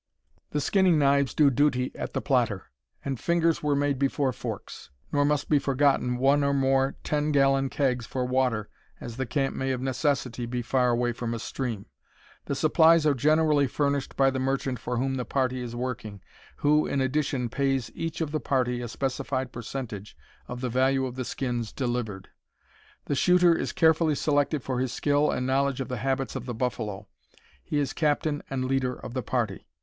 "The skinning knives do duty at the platter, and 'fingers were made before forks.' Nor must be forgotten one or more 10 gallon kegs for water, as the camp may of necessity be far away from a stream. The supplies are generally furnished by the merchant for whom the party is working, who, in addition, pays each of the party a specified percentage of the value of the skins delivered. The shooter is carefully selected for his skill and knowledge of the habits of the buffalo. He is captain and leader of the party.